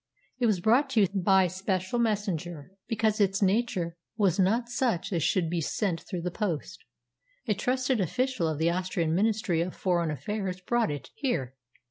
It was brought to you by special messenger because its nature was not such as should be sent through the post. A trusted official of the Austrian Ministry of Foreign Affairs brought it here.